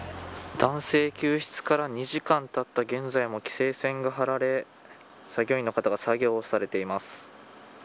男性救出から２時間たった現在も規制線が張られ作業員の方が作業をされています。